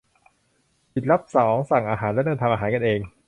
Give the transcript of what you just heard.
หยุดรับของสั่งอาหารและเริ่มทำอาหารเอง !